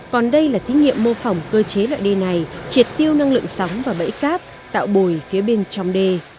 còn đây là thí nghiệm mô phỏng cơ chế loại d này triệt tiêu năng lượng sóng và bẫy cát tạo bồi phía bên trong đê